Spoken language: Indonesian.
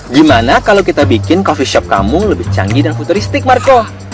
gimana kalau kita bikin coffee shop kamu lebih canggih dan futuristik marco